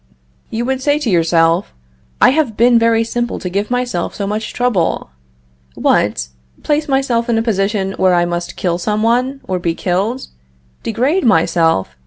You would say to yourself: "I have been very simple to give myself so much trouble. What! place myself in a position where I must kill some one, or be killed! degrade myself!